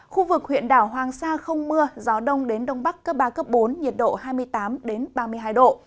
khu vực huyện đảo hoàng sa không mưa gió đông đến đông bắc cấp ba cấp bốn nhiệt độ hai mươi tám ba mươi hai độ